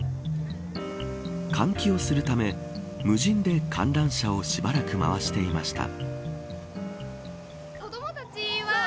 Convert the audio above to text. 換気をするため無人で観覧車をしばらく回していました。